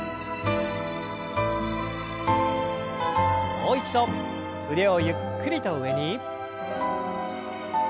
もう一度腕をゆっくりと上に。